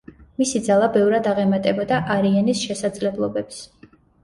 მისი ძალა ბევრად აღემატებოდა არიენის შესაძლებლობებს.